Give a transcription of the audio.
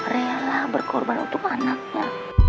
relah berkorban untuk anaknya